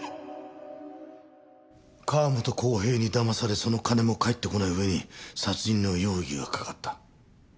川本浩平にだまされその金も返ってこない上に殺人の容疑がかかった。